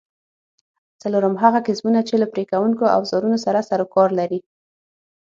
څلورم: هغه کسبونه چې له پرې کوونکو اوزارونو سره سرو کار لري؟